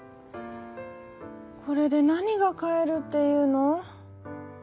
これでなにがかえるっていうの」。